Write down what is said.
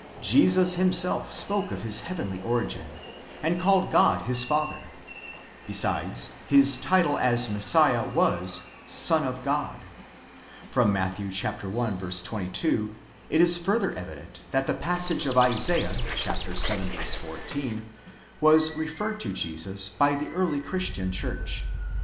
Jesus himself spoke of his heavenly origin, and called God his father ; besides, his title as Messiah was—Son of God. From Matthew i. 22, it is further evident that the passage of Isaiah, vii. 14, was referred to Jesus by the early Christian Church.